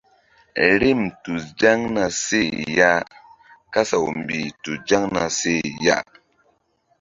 Rim tu zaŋ na seh ya kasaw mbih tu zaŋ na seh ya.